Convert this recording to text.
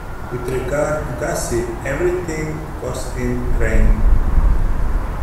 With regard to Gussie, everything was in train.